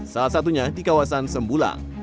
salah satunya di kawasan sembulang